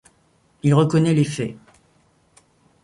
Il reconnaît les faits.